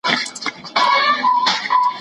د پوهې په لاره کې تل هڅه وکړئ.